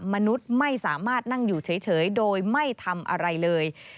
มนุษย์ไม่สามารถนั่งอยู่เฉยโดยไม่ทำอะไรเลย